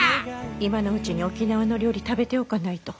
今のうちに沖縄の料理食べておかないと。